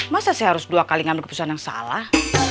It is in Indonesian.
masa saya harus dua kali ngambil keputusan yang salah